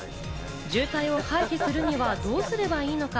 渋滞を回避するにはどうすればいいのか？